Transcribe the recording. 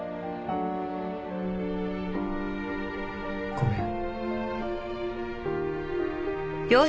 ・ごめん。